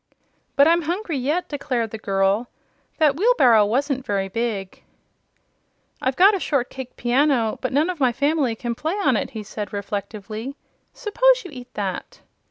"But I'm hungry yet," declared the girl. "That wheelbarrow wasn't very big." "I've got a shortcake piano, but none of my family can play on it," he said, reflectively. "Suppose you eat that."